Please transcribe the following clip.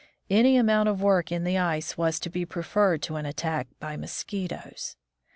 Any amount of work in the ice was to be pre ferred to an attack by mosquitoes.